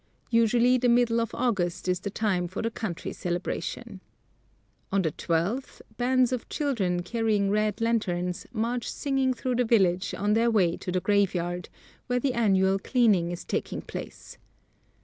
Usually the middle of August is the time for the country celebration. On the twelfth, bands of children carrying red lanterns march singing through the village on their way to the graveyard, where the annual cleaning is taking place.